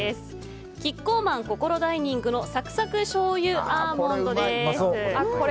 キッコーマンこころダイニングのサクサクしょうゆアーモンドです。